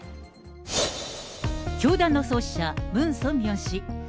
教団の創始者、ムン・ソンミョン氏。